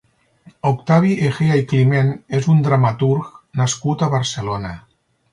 Octavi Egea i Climent és un dramaturg nascut a Barcelona.